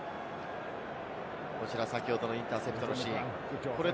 先ほどのインターセプトのシーンです。